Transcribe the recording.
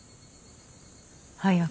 早く。